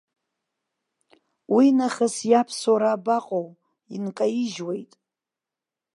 Уинахыс иаԥсуара абаҟоу, инкаижьуеит!